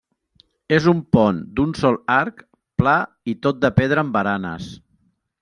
És un pont d'un sol arc, pla i tot de pedra amb baranes.